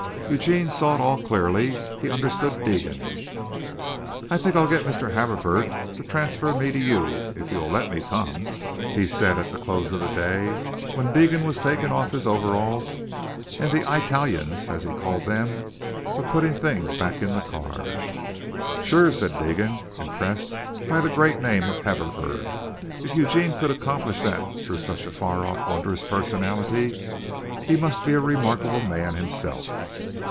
Eugene saw it all clearly. He understood Deegan. "I think I'll get Mr. Haverford to transfer me to you, if you'll let me come," he said at the close of the day when Deegan was taking off his overalls and the "Eyetalians," as he called them, were putting the things back in the car. "Shewer!" said Deegan, impressed by the great name of Haverford. If Eugene could accomplish that through such a far off, wondrous personality, he must be a remarkable man himself.